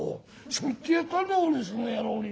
そう言ってやったんだ俺その野郎に。